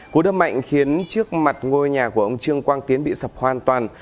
cú đâm mạnh khiến trước mặt ngôi nhà của ông trương quang tiến bị sập hoàn toàn